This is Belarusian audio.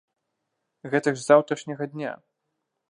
Гэта ж з заўтрашняга дня!